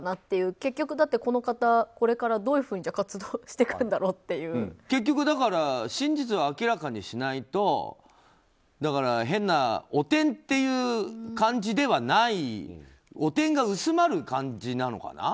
結局、この方これからどういうふうに結局、真実は明らかにしないと変な汚点っていう感じではない汚点が薄まる感じなのかな？